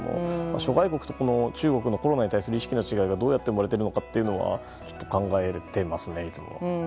諸外国と中国のコロナに対する意識の違いがどうやって生まれているのかちょっと考えてますね。